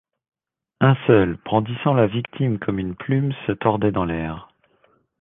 Un seul, brandissant la victime comme une plume, se tordait dans l’air.